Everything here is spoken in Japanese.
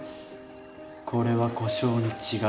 これは故障に違いない。